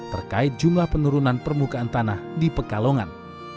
terkait jumlah penurunan permukaan tanah di pekalongan